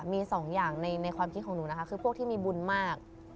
มีสองอย่างในความคิดของหนูนะคะคือพวกที่มีบุญมาก